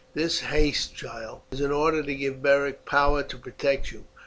This haste, child, is in order to give Beric power to protect you.